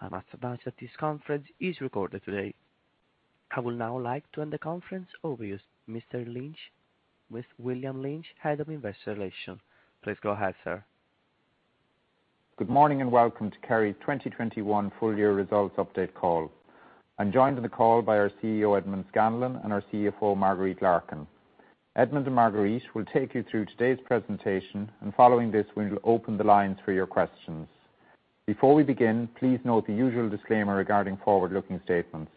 I must advise that this conference is recorded today. I would now like to hand the conference over to Mr. Lynch, with William Lynch, Head of Investor Relations. Please go ahead, sir. Good morning, and welcome to Kerry Group's 2021 full year results update call. I'm joined on the call by our CEO, Edmond Scanlon, and our CFO, Marguerite Larkin. Edmond and Marguerite will take you through today's presentation, and following this, we will open the lines for your questions. Before we begin, please note the usual disclaimer regarding forward-looking statements.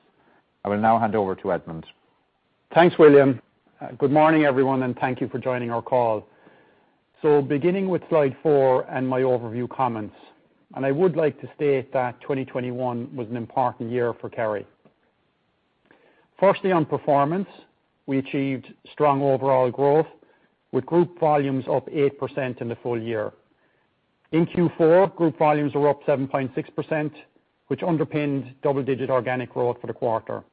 I will now hand over to Edmond. Thanks, William. Good morning, everyone, and thank you for joining our call. Beginning with slide four and my overview comments. I would like to state that 2021 was an important year for Kerry. Firstly, on performance, we achieved strong overall growth with group volumes up 8% in the full year. In Q4, group volumes were up 7.6%, which underpinned double-digit organic growth for the quarter.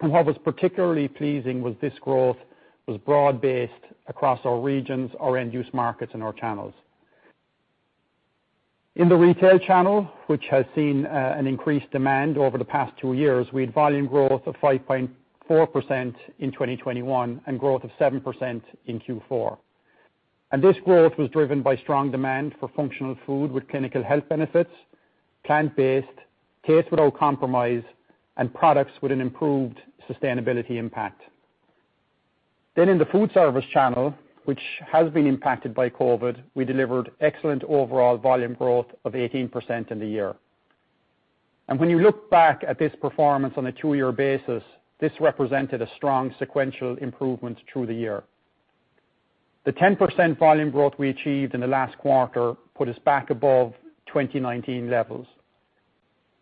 What was particularly pleasing was this growth was broad-based across our regions, our end-use markets, and our channels. In the retail channel, which has seen an increased demand over the past two years, we had volume growth of 5.4% in 2021 and growth of 7% in Q4. This growth was driven by strong demand for functional food with clinical health benefits, plant-based, taste without compromise, and products with an improved sustainability impact. In the food service channel, which has been impacted by COVID, we delivered excellent overall volume growth of 18% in the year. When you look back at this performance on a two-year basis, this represented a strong sequential improvement through the year. The 10% volume growth we achieved in the last quarter put us back above 2019 levels.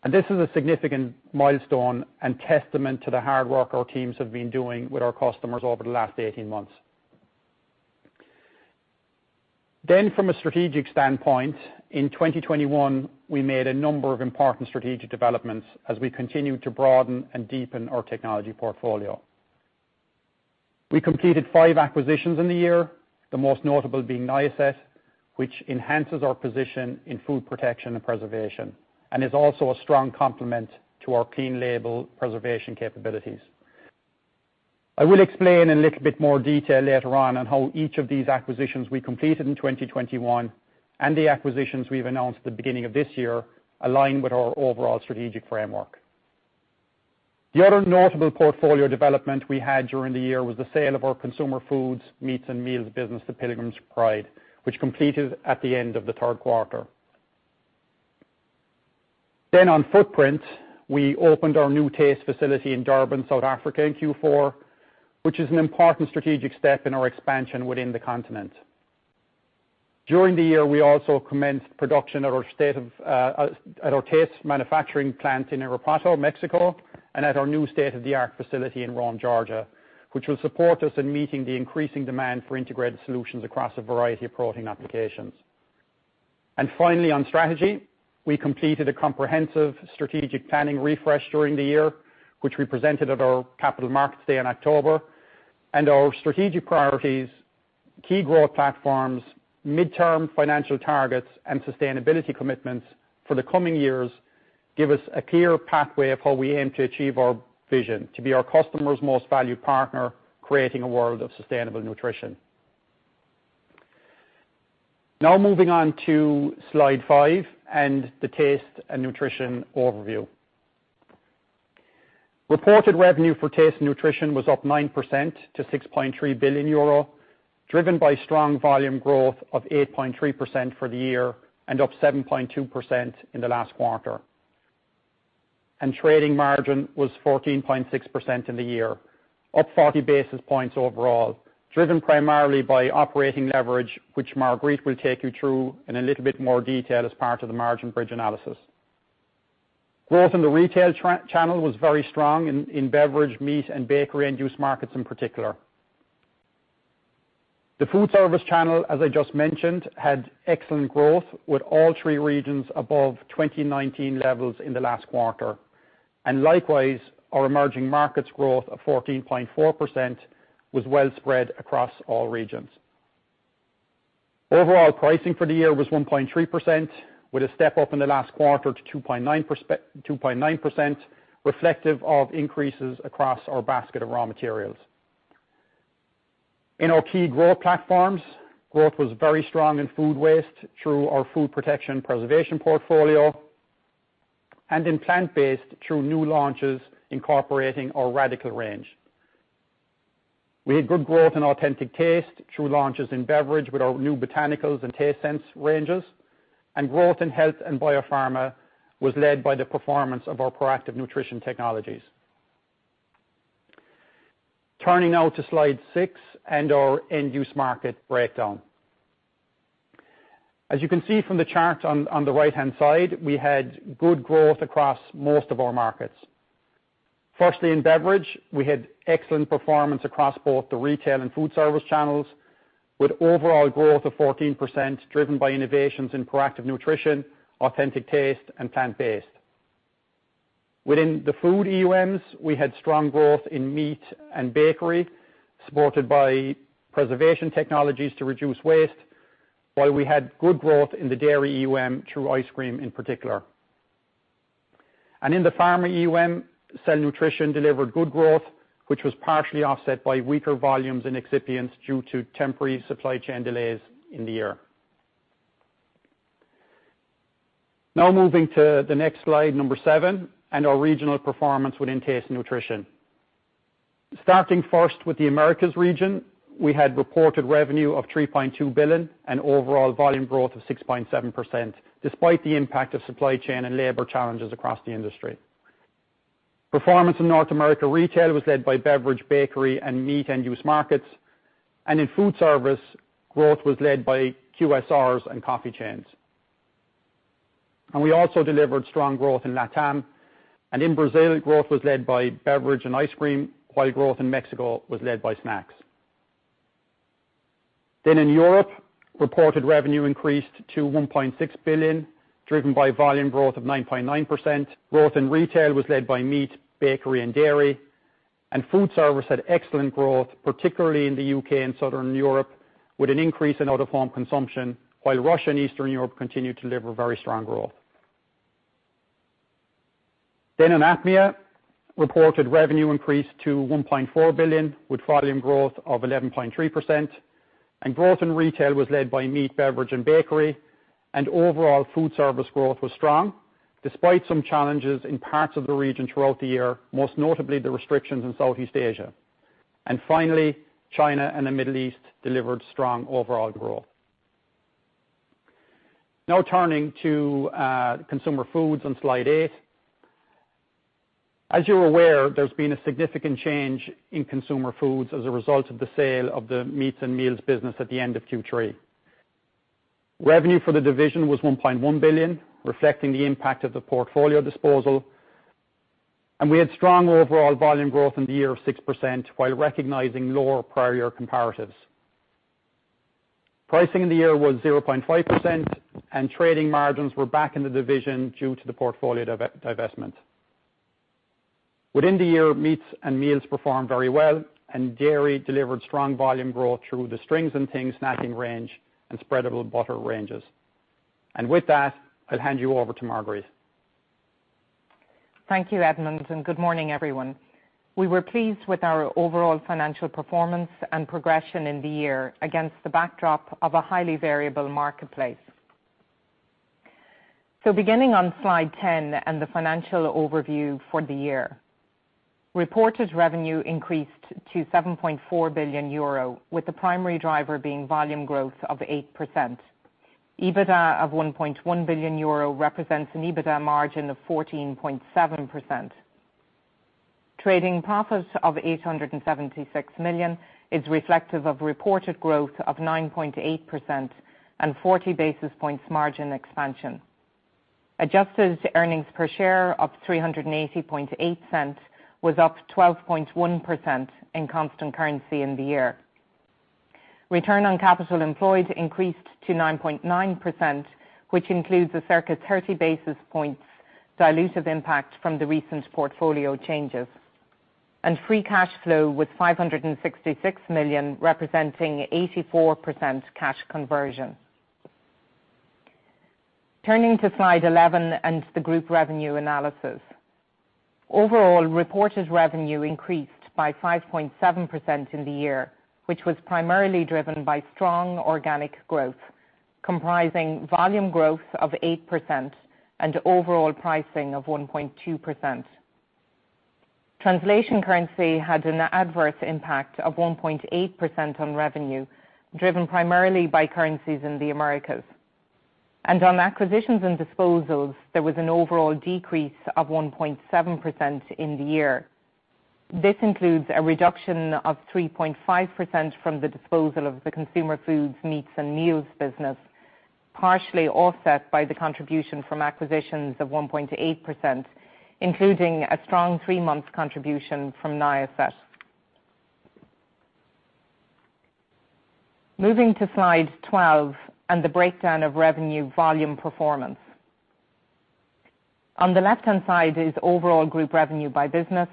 This is a significant milestone and testament to the hard work our teams have been doing with our customers over the last 18 months. From a strategic standpoint, in 2021, we made a number of important strategic developments as we continued to broaden and deepen our technology portfolio. We completed 5 acquisitions in the year, the most notable being Niacet, which enhances our position in food protection and preservation, and is also a strong complement to our clean label preservation capabilities. I will explain in a little bit more detail later on how each of these acquisitions we completed in 2021 and the acquisitions we've announced at the beginning of this year align with our overall strategic framework. The other notable portfolio development we had during the year was the sale of our Consumer Foods, meats, and meals business to Pilgrim's Pride, which completed at the end of the Q3. On footprint, we opened our new Taste facility in Durban, South Africa in Q4, which is an important strategic step in our expansion within the continent. During the year, we also commenced production at our taste manufacturing plant in Irapuato, Mexico, and at our new state-of-the-art facility in Rome, Georgia, which will support us in meeting the increasing demand for integrated solutions across a variety of protein applications. Finally, on strategy, we completed a comprehensive strategic planning refresh during the year, which we presented at our Capital Markets Day in October. Our strategic priorities, key growth platforms, midterm financial targets, and sustainability commitments for the coming years give us a clear pathway of how we aim to achieve our vision to be our customer's most valued partner, creating a world of sustainable nutrition. Now moving on to slide five and the Taste and Nutrition overview. Reported revenue for Taste & Nutrition was up 9% to 6.3 billion euro, driven by strong volume growth of 8.3% for the year and up 7.2% in the last quarter. Trading margin was 14.6% in the year, up 40 basis points overall, driven primarily by operating leverage, which Marguerite will take you through in a little bit more detail as part of the margin bridge analysis. Growth in the retail channel was very strong in beverage, meat, and bakery end-use markets in particular. The food service channel, as I just mentioned, had excellent growth with all three regions above 2019 levels in the last quarter. Likewise, our emerging markets growth of 14.4% was well spread across all regions. Overall pricing for the year was 1.3% with a step up in the last quarter to 2.9% reflective of increases across our basket of raw materials. In our key growth platforms, growth was very strong in food waste through our food protection preservation portfolio and in plant-based through new launches incorporating our Radicle range. We had good growth in authentic taste through launches in beverage with our new botanicals and TasteSense ranges. Growth in health and biopharma was led by the performance of our ProActive nutrition technologies. Turning now to slide six and our end-use market breakdown. As you can see from the chart on the right-hand side, we had good growth across most of our markets. Firstly, in beverage, we had excellent performance across both the retail and food service channels with overall growth of 14% driven by innovations in proactive nutrition, authentic taste, and plant-based. Within the food EUMs, we had strong growth in meat and bakery, supported by preservation technologies to reduce waste. While we had good growth in the dairy EUM through ice cream in particular. In the pharma EUM, Cell Nutrition delivered good growth, which was partially offset by weaker volumes in excipients due to temporary supply chain delays in the year. Now moving to the next slide seven, and our regional performance within Taste & Nutrition. Starting first with the Americas region, we had reported revenue of 3.2 billion and overall volume growth of 6.7%, despite the impact of supply chain and labor challenges across the industry. Performance in North America retail was led by beverage, bakery and meat end-use markets. In food service, growth was led by QSRs and coffee chains. We also delivered strong growth in LATAM. In Brazil, growth was led by beverage and ice cream, while growth in Mexico was led by snacks. In Europe, reported revenue increased to 1.6 billion, driven by volume growth of 9.9%. Growth in retail was led by meat, bakery and dairy. Food service had excellent growth, particularly in the U.K. and Southern Europe, with an increase in out-of-home consumption, while Russia and Eastern Europe continued to deliver very strong growth. In APMEA, reported revenue increased to 1.4 billion, with volume growth of 11.3%. Growth in retail was led by meat, beverage and bakery. Overall food service growth was strong, despite some challenges in parts of the region throughout the year, most notably the restrictions in Southeast Asia. Finally, China and the Middle East delivered strong overall growth. Now turning to consumer foods on slide eight. As you're aware, there's been a significant change in Consumer Foods as a result of the sale of the meats and meals business at the end of Q3. Revenue for the division was 1.1 billion, reflecting the impact of the portfolio disposal. We had strong overall volume growth in the year of 6% while recognizing lower prior year comparatives. Pricing in the year was 0.5%, and trading margins were back in the division due to the portfolio divestment. Within the year, meats and meals performed very well, and dairy delivered strong volume growth through the Strings & Things snacking range and spreadable butter ranges. With that, I'll hand you over to Marguerite. Thank you, Edmond, and good morning, everyone. We were pleased with our overall financial performance and progression in the year against the backdrop of a highly variable marketplace. Beginning on slide 10 and the financial overview for the year. Reported revenue increased to 7.4 billion euro, with the primary driver being volume growth of 8%. EBITDA of 1.1 billion euro represents an EBITDA margin of 14.7%. Trading profit of 876 million is reflective of reported growth of 9.8% and 40 basis points margin expansion. Adjusted earnings per share of 3.808 was up 12.1% in constant currency in the year. Return on capital employed increased to 9.9%, which includes a circa 30 basis points dilutive impact from the recent portfolio changes. Free cash flow was 566 million, representing 84% cash conversion. Turning to slide 11 and the group revenue analysis. Overall, reported revenue increased by 5.7% in the year, which was primarily driven by strong organic growth, comprising volume growth of 8% and overall pricing of 1.2%. Translation currency had an adverse impact of 1.8% on revenue, driven primarily by currencies in the Americas. On acquisitions and disposals, there was an overall decrease of 1.7% in the year. This includes a reduction of 3.5% from the disposal of the Consumer Foods, meats and meals business, partially offset by the contribution from acquisitions of 1.8%, including a strong three-month contribution from Niacet. Moving to slide 12 and the breakdown of revenue volume performance. On the left-hand side is overall group revenue by business,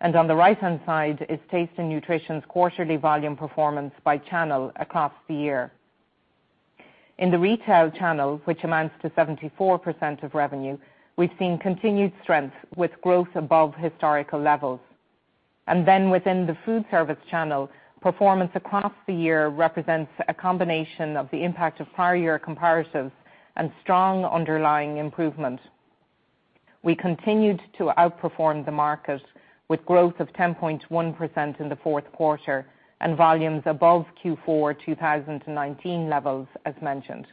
and on the right-hand side is Taste & Nutrition's quarterly volume performance by channel across the year. In the retail channel, which amounts to 74% of revenue, we've seen continued strength with growth above historical levels. Then within the food service channel, performance across the year represents a combination of the impact of prior year comparatives and strong underlying improvement. We continued to outperform the market with growth of 10.1% in the Q4 and volumes above Q4 2019 levels, as mentioned.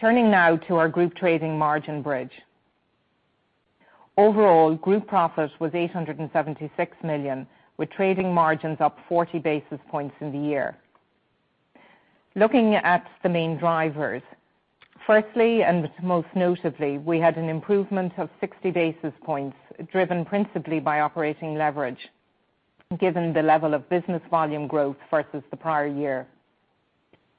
Turning now to our group trading margin bridge. Overall, group profit was 876 million, with trading margins up 40 basis points in the year. Looking at the main drivers. Firstly, and most notably, we had an improvement of 60 basis points, driven principally by operating leverage, given the level of business volume growth versus the prior year.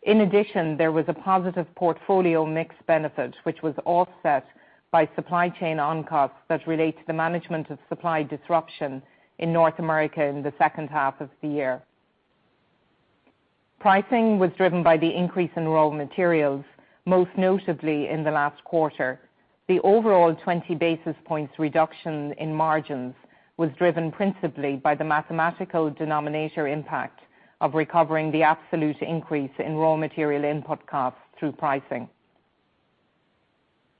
In addition, there was a positive portfolio mix benefit, which was offset by supply chain on-costs that relate to the management of supply disruption in North America in the H2 of the year. Pricing was driven by the increase in raw materials, most notably in the last quarter. The overall 20 basis points reduction in margins was driven principally by the mathematical denominator impact of recovering the absolute increase in raw material input costs through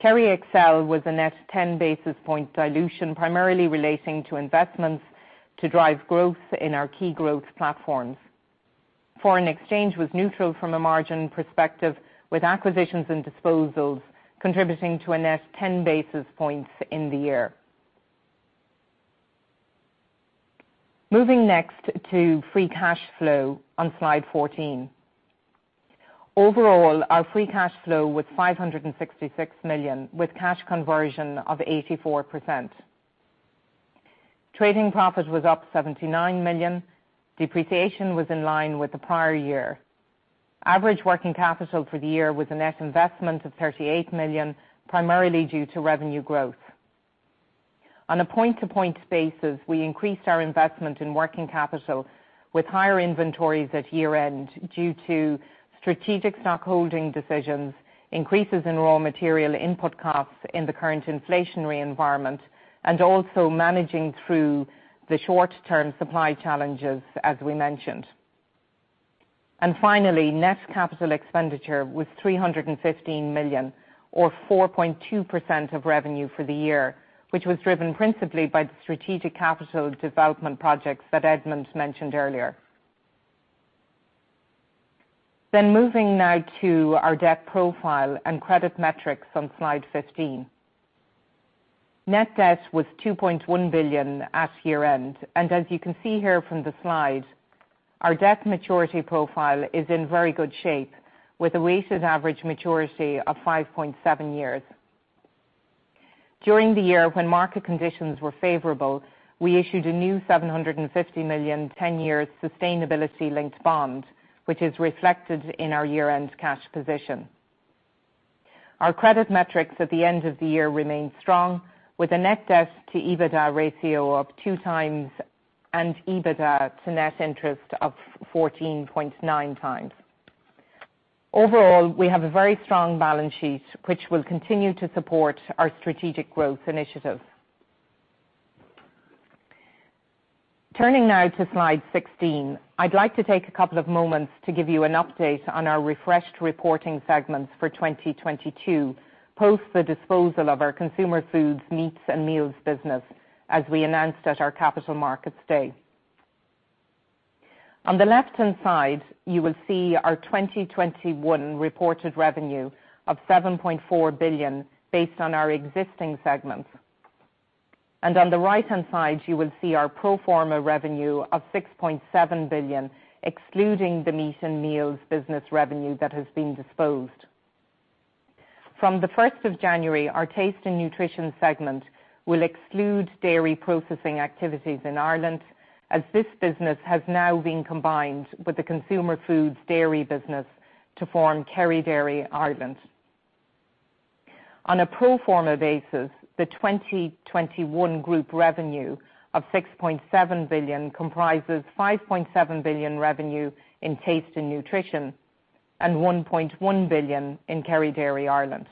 pricing. Kerry Excel was a net 10 basis point dilution, primarily relating to investments to drive growth in our key growth platforms. Foreign exchange was neutral from a margin perspective, with acquisitions and disposals contributing to a net 10 basis points in the year. Moving next to free cash flow on slide 14. Overall, our free cash flow was 566 million, with cash conversion of 84%. Trading profit was up 79 million. Depreciation was in line with the prior year. Average working capital for the year was a net investment of 38 million, primarily due to revenue growth. On a point-to-point basis, we increased our investment in working capital with higher inventories at year-end due to strategic stockholding decisions, increases in raw material input costs in the current inflationary environment, and also managing through the short-term supply challenges, as we mentioned. Finally, net capital expenditure was 315 million or 4.2% of revenue for the year, which was driven principally by the strategic capital development projects that Edmond mentioned earlier. Moving now to our debt profile and credit metrics on slide 15. Net debt was 2.1 billion at year-end. As you can see here from the slide, our debt maturity profile is in very good shape, with a weighted average maturity of 5.7 years. During the year when market conditions were favorable, we issued a new 750 million 10-year sustainability-linked bond, which is reflected in our year-end cash position. Our credit metrics at the end of the year remained strong, with a net debt to EBITDA ratio of 2x and EBITDA to net interest of 14.9x. Overall, we have a very strong balance sheet, which will continue to support our strategic growth initiatives. Turning now to slide 16. I'd like to take a couple of moments to give you an update on our refreshed reporting segments for 2022, post the disposal of our Consumer Foods, Meats, and Meals business, as we announced at our Capital Markets Day. On the left-hand side, you will see our 2021 reported revenue of 7.4 billion based on our existing segments. On the right-hand side, you will see our pro forma revenue of 6.7 billion, excluding the Meat and Meals business revenue that has been disposed. From January 1st, our Taste and Nutrition segment will exclude dairy processing activities in Ireland, as this business has now been combined with the Consumer Foods dairy business to form Kerry Dairy Ireland. On a pro forma basis, the 2021 group revenue of 6.7 billion comprises 5.7 billion revenue in Taste & Nutrition and 1.1 billion in Kerry Dairy Ireland.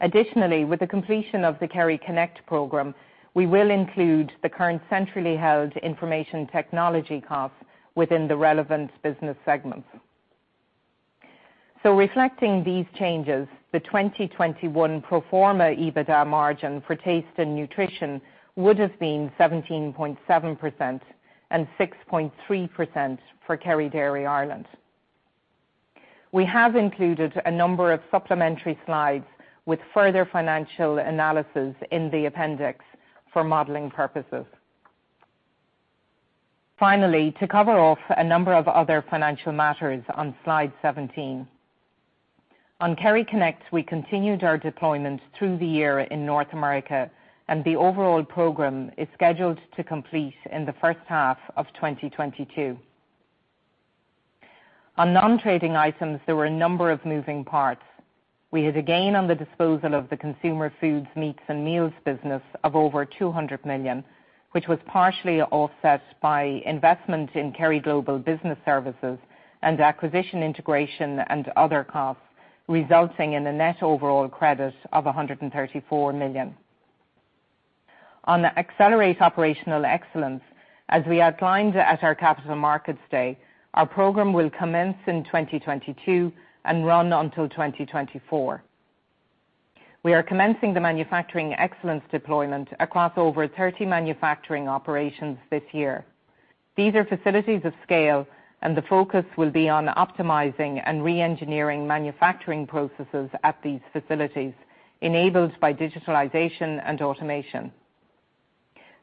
Additionally, with the completion of the Kerryconnect program, we will include the current centrally held information technology costs within the relevant business segments. Reflecting these changes, the 2021 pro forma EBITDA margin for Taste & Nutrition would have been 17.7% and 6.3% for Kerry Dairy Ireland. We have included a number of supplementary slides with further financial analysis in the appendix for modeling purposes. Finally, to cover off a number of other financial matters on slide 17. On Kerryconnect, we continued our deployment through the year in North America, and the overall program is scheduled to complete in the H1 of 2022. On nontrading items, there were a number of moving parts. We had a gain on the disposal of the Consumer Foods, Meats, and Meals business of over 200 million, which was partially offset by investment in Kerry Global Business Services and acquisition integration and other costs, resulting in a net overall credit of 134 million. On the Accelerate Operational Excellence, as we outlined at our Capital Markets Day, our program will commence in 2022 and run until 2024. We are commencing the manufacturing excellence deployment across over 30 manufacturing operations this year. These are facilities of scale, and the focus will be on optimizing and re-engineering manufacturing processes at these facilities enabled by digitalization and automation.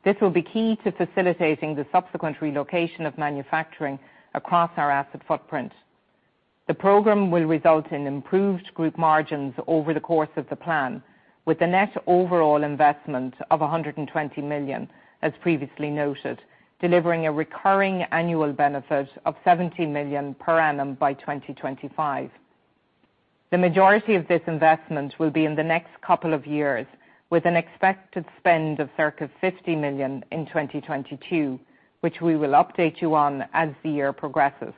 This will be key to facilitating the subsequent relocation of manufacturing across our asset footprint. The program will result in improved group margins over the course of the plan, with a net overall investment of 120 million, as previously noted, delivering a recurring annual benefit of 70 million per annum by 2025. The majority of this investment will be in the next couple of years, with an expected spend of circa 50 million in 2022, which we will update you on as the year progresses.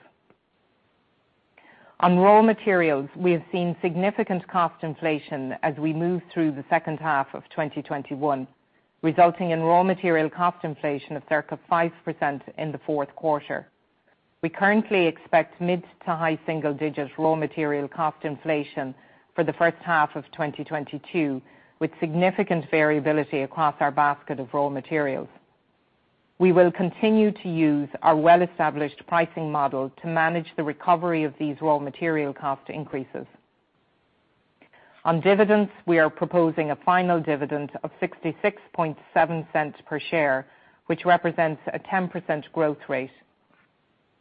On raw materials, we have seen significant cost inflation as we move through the H2 of 2021, resulting in raw material cost inflation of circa 5% in the Q4. We currently expect mid- to high single-digit raw material cost inflation for the H1 of 2022, with significant variability across our basket of raw materials. We will continue to use our well-established pricing model to manage the recovery of these raw material cost increases. On dividends, we are proposing a final dividend of 0.667 per share, which represents a 10% growth rate.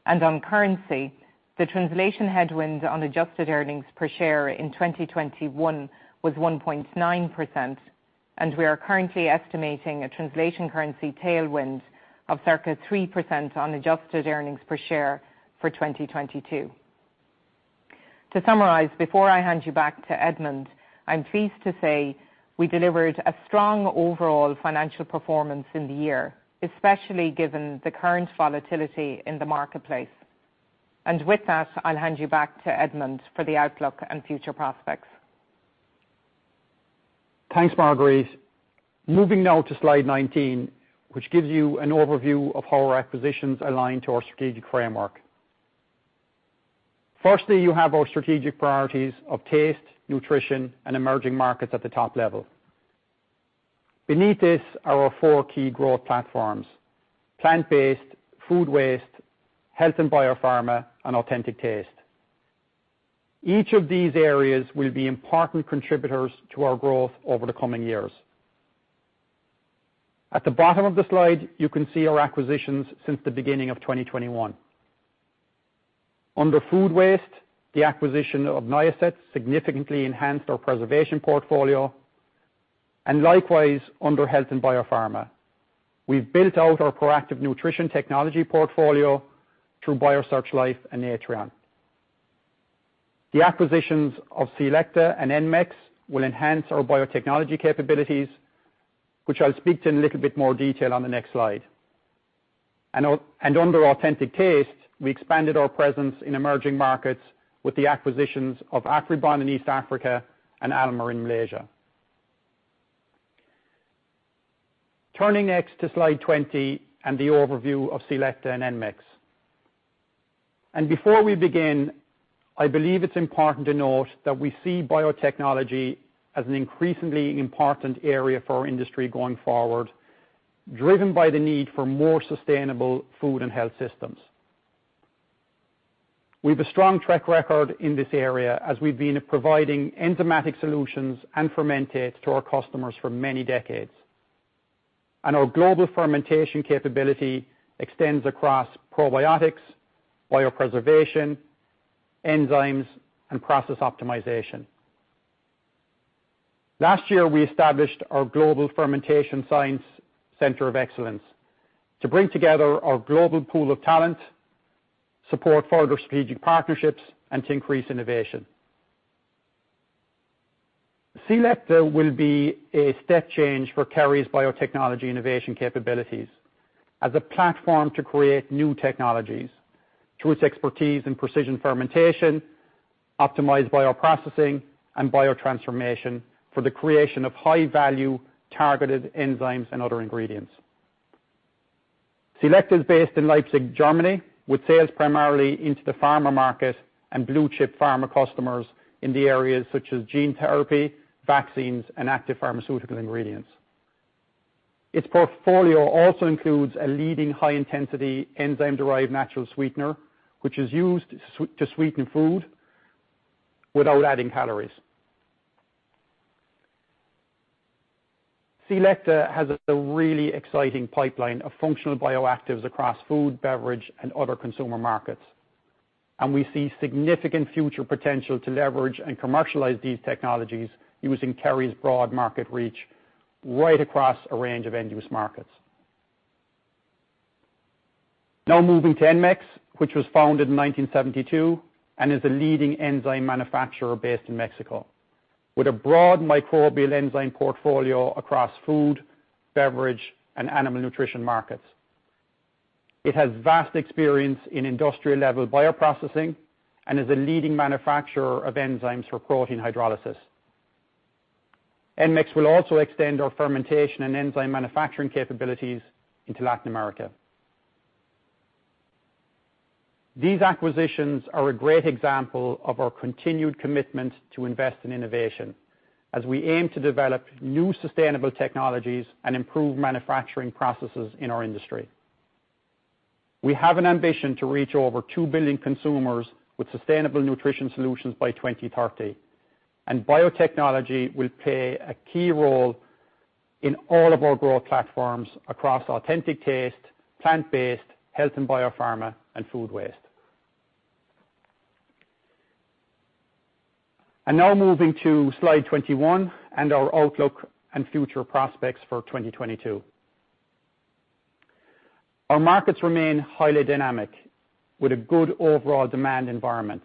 On currency, the translation headwind on adjusted earnings per share in 2021 was 1.9%, and we are currently estimating a translation currency tailwind of circa 3% on adjusted earnings per share for 2022. To summarize, before I hand you back to Edmond, I'm pleased to say we delivered a strong overall financial performance in the year, especially given the current volatility in the marketplace. With that, I'll hand you back to Edmond for the outlook and future prospects. Thanks, Marguerite. Moving now to slide 19, which gives you an overview of how our acquisitions align to our strategic framework. Firstly, you have our strategic priorities of taste, nutrition, and emerging markets at the top level. Beneath this, are our four key growth platforms, plant-based, food waste, health and biopharma, and authentic taste. Each of these areas will be important contributors to our growth over the coming years. At the bottom of the slide, you can see our acquisitions since the beginning of 2021. Under food waste, the acquisition of Niacet significantly enhanced our preservation portfolio. Likewise, under health and biopharma, we've built out our ProActive nutrition technology portfolio through Biosearch Life and Natreon. The acquisitions of c-LEcta and Enmex will enhance our biotechnology capabilities, which I'll speak to in a little bit more detail on the next slide. Under authentic taste, we expanded our presence in emerging markets with the acquisitions of Afribon in East Africa and Almer in Malaysia. Turning next to slide 20 and the overview of c-LEcta and Enmex. Before we begin, I believe it's important to note that we see biotechnology as an increasingly important area for our industry going forward, driven by the need for more sustainable food and health systems. We have a strong track record in this area as we've been providing enzymatic solutions and fermentate to our customers for many decades. Our global fermentation capability extends across probiotics, biopreservation, enzymes, and process optimization. Last year, we established our global fermentation science center of excellence to bring together our global pool of talent, support further strategic partnerships, and to increase innovation. c-LEcta will be a step change for Kerry's biotechnology innovation capabilities as a platform to create new technologies through its expertise in precision fermentation, optimized bioprocessing, and biotransformation for the creation of high-value targeted enzymes and other ingredients. c-LEcta is based in Leipzig, Germany, with sales primarily into the pharma market and blue chip pharma customers in the areas such as gene therapy, vaccines, and active pharmaceutical ingredients. Its portfolio also includes a leading high-intensity enzyme-derived natural sweetener, which is used to sweeten food without adding calories. c-LEcta has a really exciting pipeline of functional bioactives across food, beverage, and other consumer markets, and we see significant future potential to leverage and commercialize these technologies using Kerry's broad market reach right across a range of end-use markets. Now moving to Enmex, which was founded in 1972 and is a leading enzyme manufacturer based in Mexico with a broad microbial enzyme portfolio across food, beverage, and animal nutrition markets. It has vast experience in industrial-level bioprocessing and is a leading manufacturer of enzymes for protein hydrolysis. Enmex will also extend our fermentation and enzyme manufacturing capabilities into Latin America. These acquisitions are a great example of our continued commitment to invest in innovation as we aim to develop new sustainable technologies and improve manufacturing processes in our industry. We have an ambition to reach over 2 billion consumers with sustainable nutrition solutions by 2030, and biotechnology will play a key role in all of our growth platforms across authentic taste, plant-based, health and biopharma, and food waste. Now moving to slide 21 and our outlook and future prospects for 2022. Our markets remain highly dynamic with a good overall demand environment,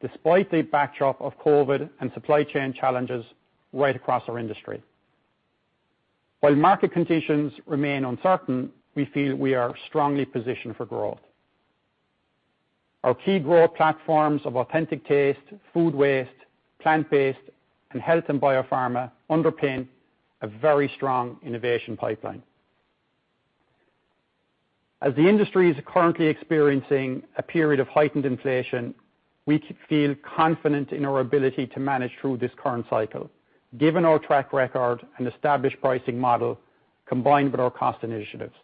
despite the backdrop of COVID and supply chain challenges right across our industry. While market conditions remain uncertain, we feel we are strongly positioned for growth. Our key growth platforms of authentic taste, food waste, plant-based, and health and biopharma underpin a very strong innovation pipeline. As the industry is currently experiencing a period of heightened inflation, we feel confident in our ability to manage through this current cycle, given our track record and established pricing model combined with our cost initiatives.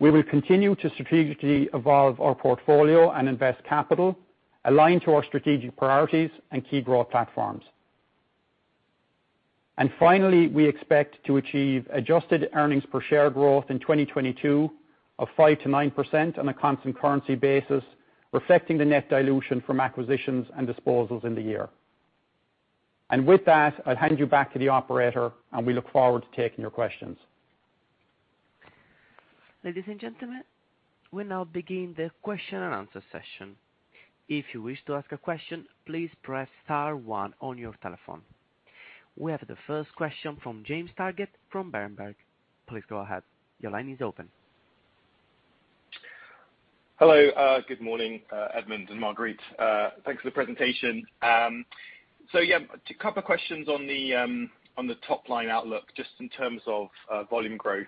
We will continue to strategically evolve our portfolio and invest capital aligned to our strategic priorities and key growth platforms. Finally, we expect to achieve adjusted earnings per share growth in 2022 of 5%-9% on a constant currency basis, reflecting the net dilution from acquisitions and disposals in the year. With that, I'll hand you back to the operator, and we look forward to taking your questions. Ladies and gentlemen, we'll now begin the question and answer session. If you wish to ask a question, please press star one on your telephone. We have the first question from James Targett from Berenberg. Please go ahead. Your line is open. Hello. Good morning, Edmond and Marguerite. Thanks for the presentation. Yeah, a couple of questions on the top line outlook, just in terms of volume growth.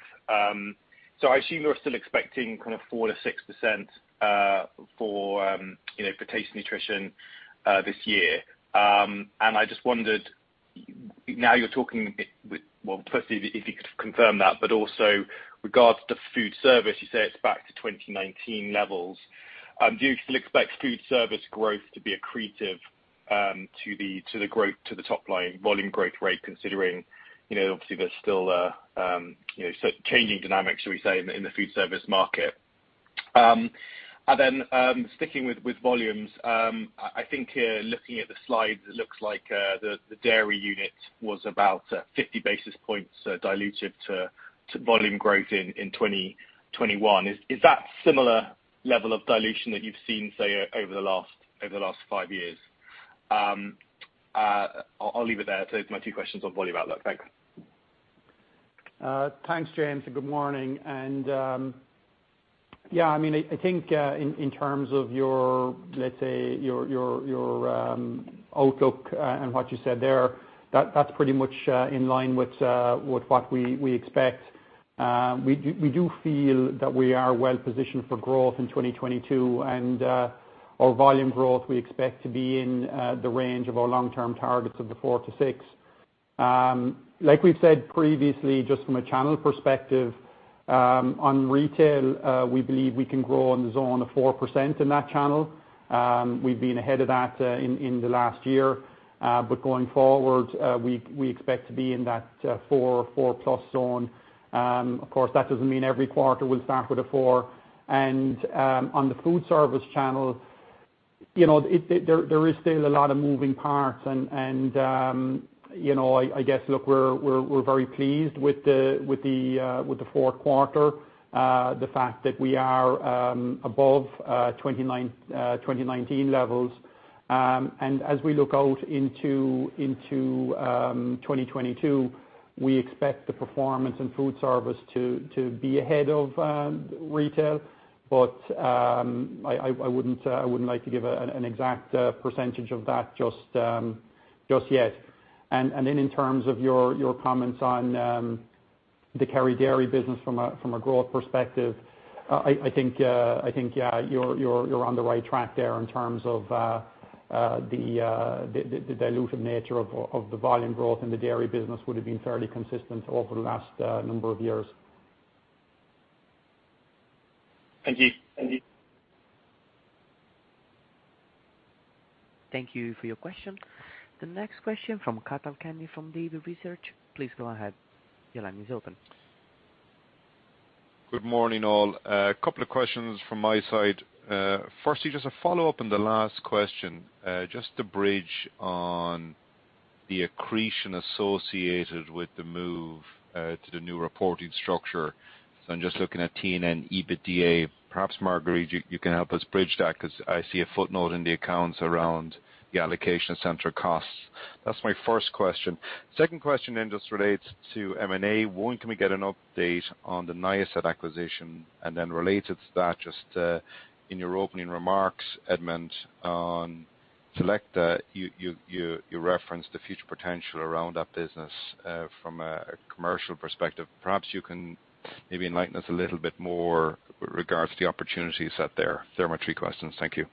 I assume you're still expecting kind of 4%-6% for, you know, for Taste & Nutrition this year. I just wondered, now you're talking well, firstly, if you could confirm that, but also regards to food service, you say it's back to 2019 levels. Do you still expect food service growth to be accretive to the top line volume growth rate, considering, you know, obviously there's still, you know, so changing dynamics, should we say, in the food service market? Sticking with volumes, I think here, looking at the slides, it looks like the dairy unit was about 50 basis points diluted to volume growth in 2021. Is that similar level of dilution that you've seen, say, over the last five years? I'll leave it there. Those are my two questions on volume outlook. Thanks. Thanks, James, and good morning. I mean, I think in terms of your, let's say, your outlook and what you said there, that's pretty much in line with what we expect. We do feel that we are well positioned for growth in 2022, and our volume growth we expect to be in the range of our long-term targets of 4%-6%. Like we've said previously, just from a channel perspective, on retail, we believe we can grow in the zone of 4% in that channel. We've been ahead of that in the last year, but going forward, we expect to be in that 4% or 4%+ zone. Of course, that doesn't mean every quarter will start with a four. On the food service channel, you know, there is still a lot of moving parts, and you know, I guess, look, we're very pleased with the Q4, the fact that we are above 2019 levels. As we look out into 2022, we expect the performance in food service to be ahead of retail. I wouldn't like to give an exact percentage of that just yet. In terms of your comments on the Kerry dairy business from a growth perspective, I think yeah, you're on the right track there in terms of the dilutive nature of the volume growth in the dairy business would have been fairly consistent over the last number of years. Thank you. Thank you. Thank you for your question. The next question from Cathal Kenny from Davy Research. Please go ahead. Your line is open. Good morning, all. A couple of questions from my side. Firstly, just a follow-up on the last question. Just to bridge on the accretion associated with the move to the new reporting structure. So I'm just looking at T&N EBITDA. Perhaps Marguerite, you can help us bridge that because I see a footnote in the accounts around the allocation of central costs. That's my first question. Second question just relates to M&A. When can we get an update on the Niacet acquisition? And then related to that, just in your opening remarks, Edmond, on c-LEcta, you referenced the future potential around that business from a commercial perspective. Perhaps you can maybe enlighten us a little bit more with regards to the opportunities out there. They're my three questions. Thank you.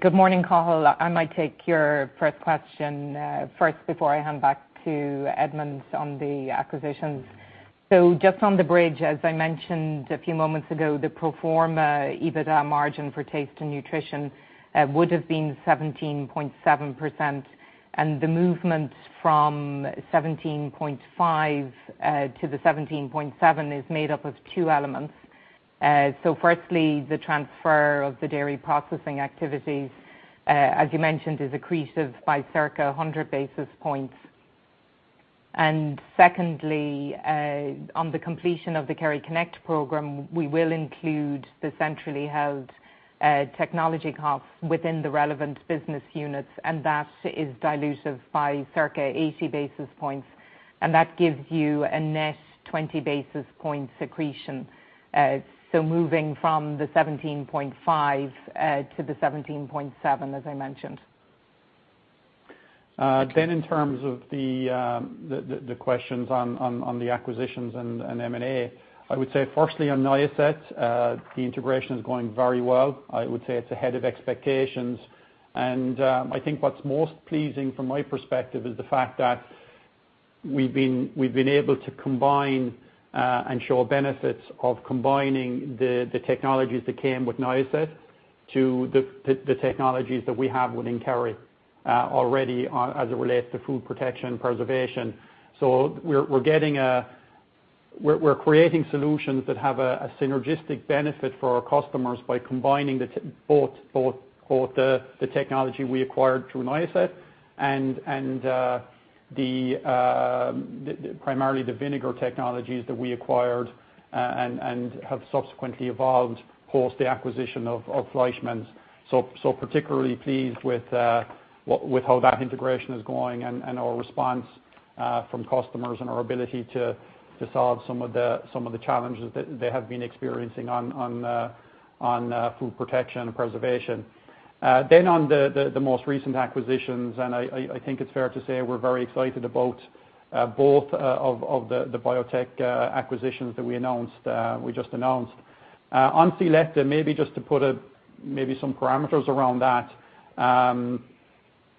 Good morning, Cathal. I might take your first question first before I hand back to Edmund on the acquisitions. Just on the bridge, as I mentioned a few moments ago, the pro forma EBITDA margin for Taste & Nutrition would have been 17.7%, and the movement from 17.5 to the 17.7 is made up of two elements. Firstly, the transfer of the dairy processing activities, as you mentioned, is accretive by circa 100 basis points. Secondly, on the completion of the Kerryconnect program, we will include the centrally held technology costs within the relevant business units, and that is dilutive by circa 80 basis points, and that gives you a net 20 basis point accretion. Moving from the 17.5 to the 17.7, as I mentioned. In terms of the questions on the acquisitions and M&A, I would say firstly on Niacet, the integration is going very well. I would say it's ahead of expectations. I think what's most pleasing from my perspective is the fact that we've been able to combine to ensure benefits of combining the technologies that came with Niacet to the technologies that we have within Kerry already on, as it relates to food protection and preservation. We're creating solutions that have a synergistic benefit for our customers by combining both the technology we acquired through Niacet and primarily the vinegar technologies that we acquired and have subsequently evolved post the acquisition of Fleischmann's. particularly pleased with how that integration is going and our response from customers and our ability to solve some of the challenges that they have been experiencing on food protection and preservation. On the most recent acquisitions, I think it's fair to say we're very excited about both of the biotech acquisitions that we announced, we just announced. On c-LEcta, maybe just to put some parameters around that,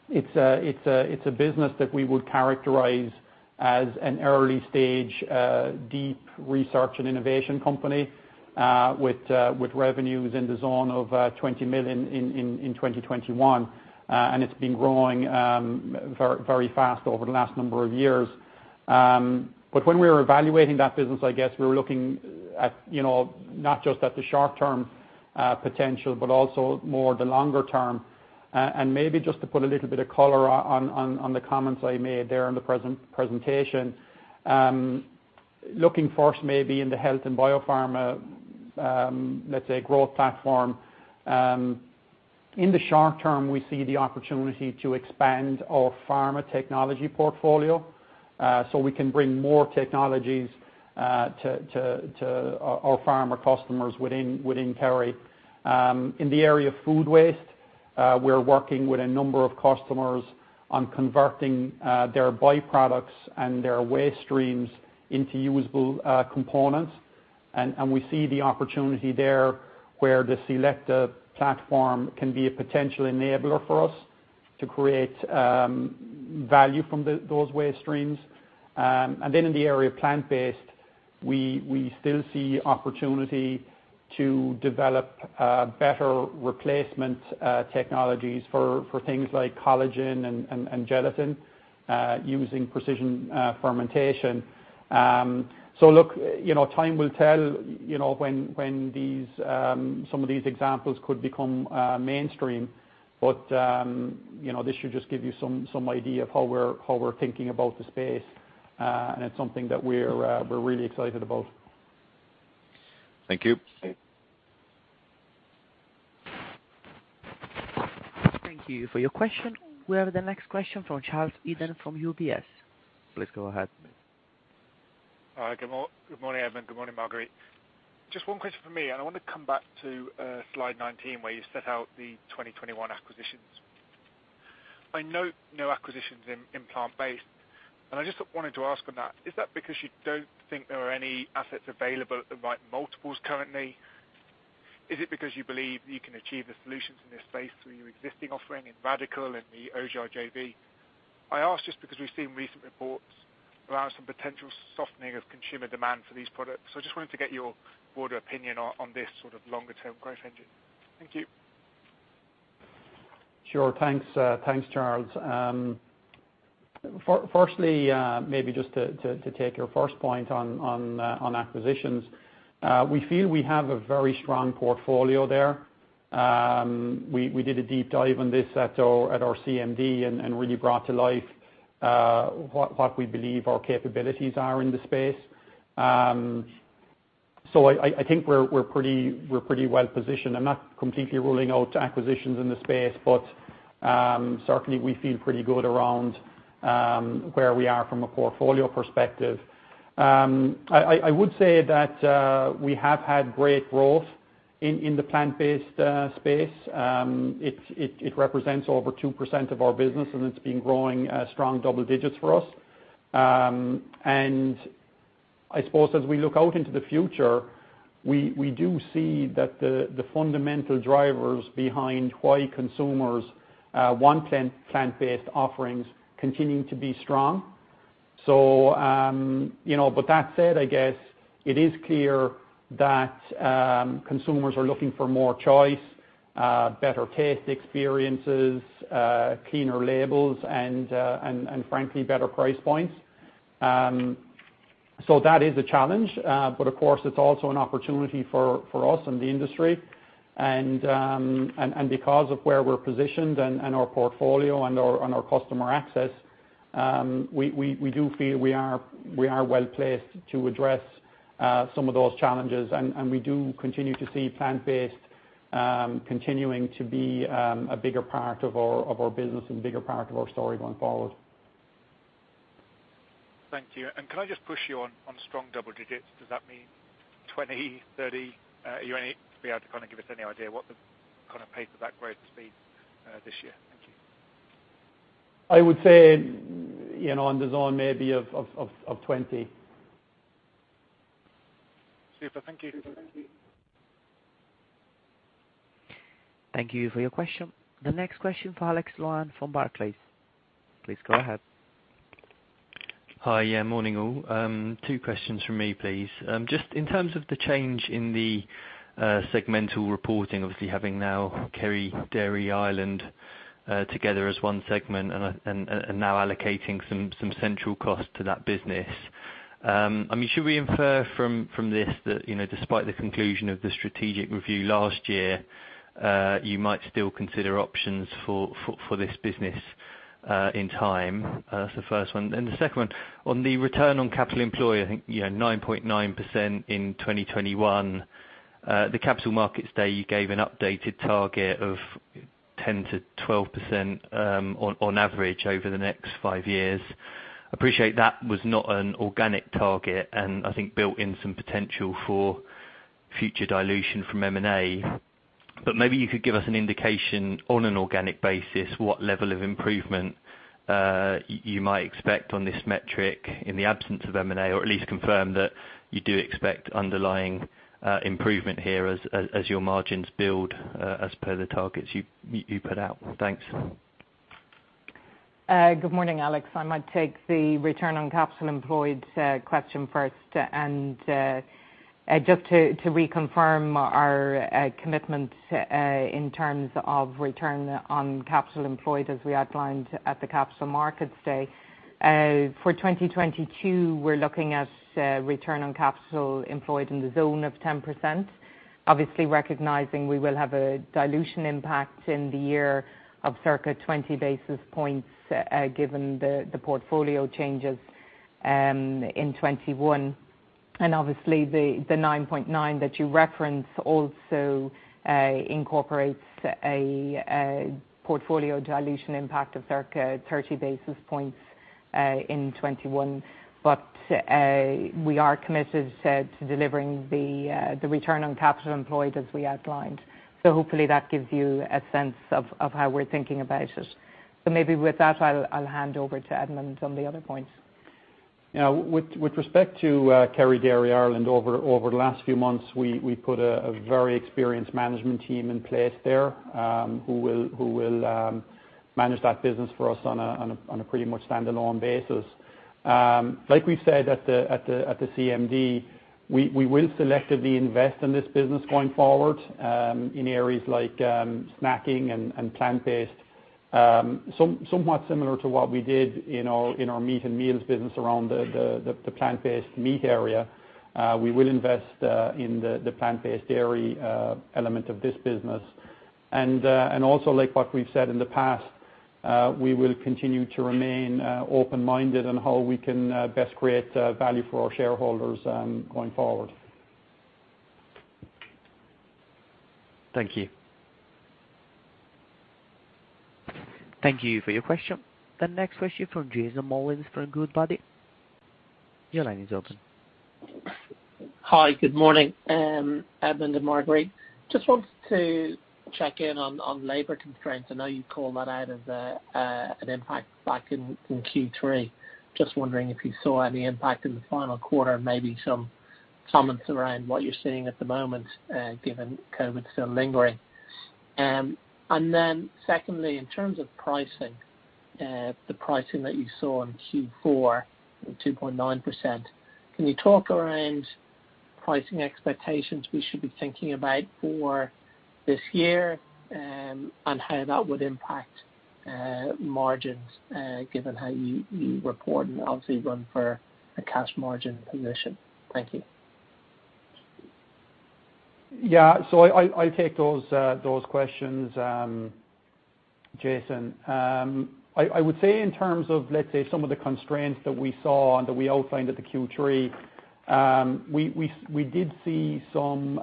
it's a business that we would characterize as an early stage deep research and innovation company with revenues in the zone of 20 million in 2021. It's been growing very fast over the last number of years. When we were evaluating that business, I guess we were looking at, you know, not just at the short-term potential, but also more the longer term. Maybe just to put a little bit of color on the comments I made there in the presentation. Looking first maybe in the health and biopharma, let's say growth platform, in the short term, we see the opportunity to expand our pharma technology portfolio, so we can bring more technologies to our pharma customers within Kerry. In the area of food waste, we're working with a number of customers on converting their by-products and their waste streams into usable components. We see the opportunity there where the c-LEcta platform can be a potential enabler for us to create value from those waste streams. Then in the area of plant-based, we still see opportunity to develop better replacement technologies for things like collagen and gelatin using precision fermentation. Look, you know, time will tell, you know, when some of these examples could become mainstream. You know, this should just give you some idea of how we're thinking about the space. It's something that we're really excited about. Thank you. Okay. Thank you for your question. We have the next question from Charles Eden from UBS. Please go ahead. All right. Good morning, Edmond. Good morning, Marguerite. Just one question from me, and I want to come back to slide 19, where you set out the 2021 acquisitions. I note no acquisitions in plant-based, and I just wanted to ask on that: Is that because you don't think there are any assets available at the right multiples currently? Is it because you believe you can achieve the solutions in this space through your existing offering in Radicle in the Ojah JV? I ask just because we've seen recent reports around some potential softening of consumer demand for these products. I just wanted to get your broader opinion on this sort of longer term growth engine. Thank you. Sure. Thanks, Charles. Firstly, maybe just to take your first point on acquisitions. We feel we have a very strong portfolio there. We did a deep dive on this at our CMD and really brought to life what we believe our capabilities are in the space. I think we're pretty well positioned. I'm not completely ruling out acquisitions in the space, but certainly we feel pretty good around where we are from a portfolio perspective. I would say that we have had great growth in the plant-based space. It represents over 2% of our business, and it's been growing strong double digits for us. I suppose as we look out into the future, we do see that the fundamental drivers behind why consumers want plant-based offerings continuing to be strong. You know, but that said, I guess it is clear that consumers are looking for more choice, better taste experiences, cleaner labels and frankly, better price points. That is a challenge. Of course it's also an opportunity for us and the industry. Because of where we're positioned and our portfolio and our customer access, we do feel we are well-placed to address some of those challenges. We do continue to see plant-based continuing to be a bigger part of our business and a bigger part of our story going forward. Thank you. Can I just push you on strong double digits? Does that mean 20, 30? Are you able to kind of give us any idea what the kind of pace of that growth will be this year? Thank you. I would say, you know, on the zone maybe of 20. Super. Thank you. Thank you for your question. The next question for Alexia Howard from Barclays. Please go ahead. Hi. Yeah, morning, all. Two questions from me, please. Just in terms of the change in the segmental reporting, obviously having now Kerry Dairy Ireland together as one segment and now allocating some central costs to that business. I mean, should we infer from this that, you know, despite the conclusion of the strategic review last year, you might still consider options for this business in time? That's the first one. The second one, on the return on capital employed, I think, you know, 9.9% in 2021. The Capital Markets Day, you gave an updated target of 10%-12% on average over the next 5 years. Appreciate that was not an organic target, and I think built in some potential for future dilution from M&A. Maybe you could give us an indication on an organic basis what level of improvement you might expect on this metric in the absence of M&A, or at least confirm that you do expect underlying improvement here as your margins build as per the targets you put out. Thanks. Good morning, Alexia. I might take the return on capital employed question first. Just to reconfirm our commitment in terms of return on capital employed as we outlined at the Capital Markets Day. For 2022, we're looking at return on capital employed in the zone of 10%. Obviously recognizing we will have a dilution impact in the year of circa 20 basis points given the portfolio changes in 2021. Obviously the 9.9 that you referenced also incorporates a portfolio dilution impact of circa 30 basis points in 2021. We are committed to delivering the return on capital employed as we outlined. Hopefully that gives you a sense of how we're thinking about it. Maybe with that, I'll hand over to Edmond on the other points. Yeah. With respect to Kerry Dairy Ireland, over the last few months, we put a very experienced management team in place there, who will manage that business for us on a pretty much standalone basis. Like we've said at the CMD, we will selectively invest in this business going forward, in areas like snacking and plant-based. Somewhat similar to what we did in our meat and meals business around the plant-based meat area. We will invest in the plant-based dairy element of this business. Also like what we've said in the past, we will continue to remain open-minded on how we can best create value for our shareholders going forward. Thank you. Thank you for your question. The next question from Jason Molins from Goodbody. Your line is open. Hi. Good morning, Edmond and Marguerite. Just wanted to check in on labor constraints. I know you called that out as an impact back in Q3. Just wondering if you saw any impact in the final quarter, maybe some comments around what you're seeing at the moment, given COVID still lingering. And then secondly, in terms of pricing, the pricing that you saw in Q4, 2.9%, can you talk about pricing expectations we should be thinking about for this year, and how that would impact margins, given how you report and obviously run for a cash margin position. Thank you. Yeah. I'll take those questions, Jason. I would say in terms of, let's say, some of the constraints that we saw and that we outlined at the Q3, we did see some,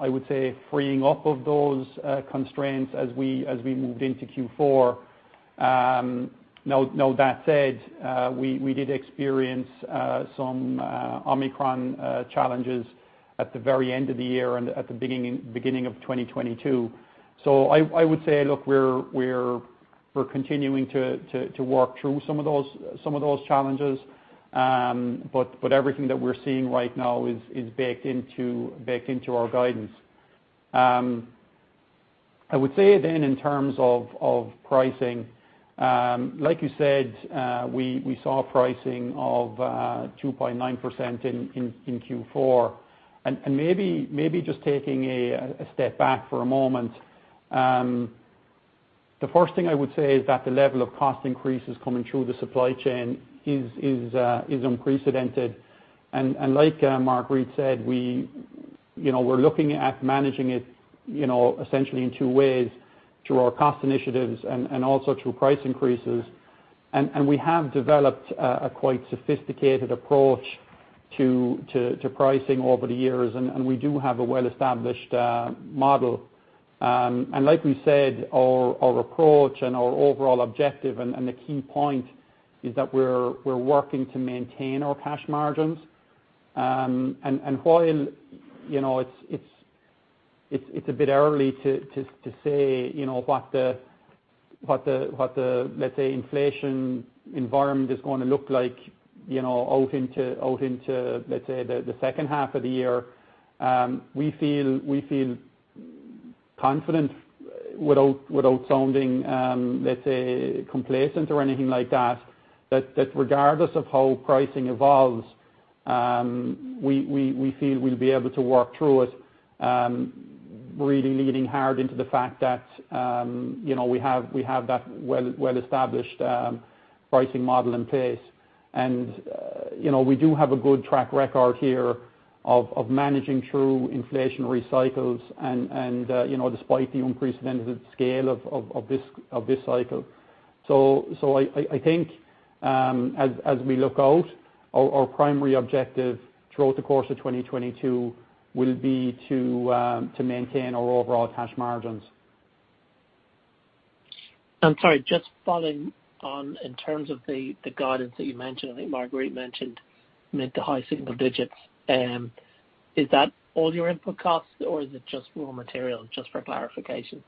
I would say, freeing up of those constraints as we moved into Q4. Now that said, we did experience some Omicron challenges at the very end of the year and at the beginning of 2022. I would say, look, we're continuing to work through some of those challenges. But everything that we're seeing right now is baked into our guidance. I would say then in terms of pricing, like you said, we saw pricing of 2.9% in Q4. Maybe just taking a step back for a moment. The first thing I would say is that the level of cost increases coming through the supply chain is unprecedented. Like Marguerite said, you know, we're looking at managing it, you know, essentially in two ways, through our cost initiatives and also through price increases. We have developed a quite sophisticated approach to pricing over the years, and we do have a well-established model. Like we said, our approach and our overall objective and the key point is that we're working to maintain our cash margins. While, you know, it's a bit early to say, you know, what the, what the, let's say, inflation environment is gonna look like, you know, out into, let's say, the H2 of the year, we feel confident without sounding, let's say, complacent or anything like that regardless of how pricing evolves, we feel we'll be able to work through it, really leaning hard into the fact that, you know, we have that well-established pricing model in place. You know, we do have a good track record here of managing through inflationary cycles and, you know, despite the unprecedented scale of this cycle. I think as we look out, our primary objective throughout the course of 2022 will be to maintain our overall cash margins. I'm sorry, just following on in terms of the guidance that you mentioned. I think Marguerite mentioned mid to high single digits. Is that all your input costs or is it just raw material? Just for clarification.